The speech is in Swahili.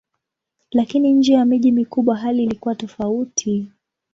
Lakini nje ya miji mikubwa hali ilikuwa tofauti.